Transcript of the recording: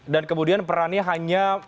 dan kemudian perannya hanya